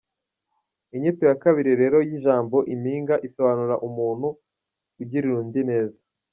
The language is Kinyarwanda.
Inyito ya kabiri rero y’ijambo impinga isobanura ‘umuntu ugirira undi neza’.